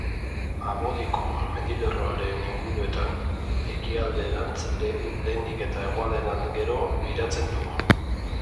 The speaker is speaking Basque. Abodiko mendilerroaren inguruetan, ekialderantz lehenik eta hegoalderantz gero, biratzen du.